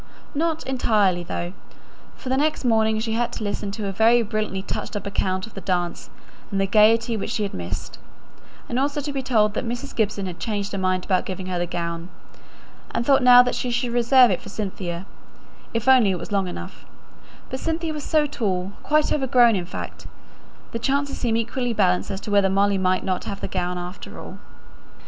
Not entirely though; for the next morning she had to listen to a very brilliantly touched up account of the dance and the gaiety which she had missed; and also to be told that Mrs. Gibson had changed her mind about giving her the gown, and thought now that she should reserve it for Cynthia, if only it was long enough; but Cynthia was so tall quite overgrown, in fact. The chances seemed equally balanced as to whether Molly might not have the gown after all.